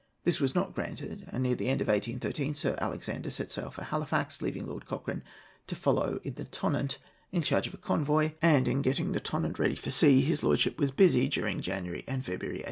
This was not granted, and near the end of 1813, Sir Alexander set sail for Halifax, leaving Lord Cochrane to follow in the Tonnant, in charge of a convoy, and in getting the Tonnant ready for sea his lordship was busy during January and February, 1814.